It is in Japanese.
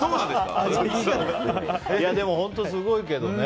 でも本当すごいけどね。